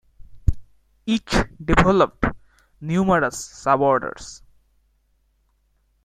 Each developed numerous sub-orders.